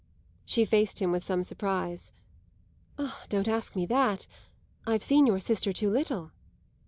She faced him with some surprise. "Ah, don't ask me that I've seen your sister too little."